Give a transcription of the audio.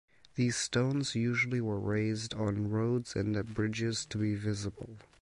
These stones usually were raised on roads and at bridges to be visible.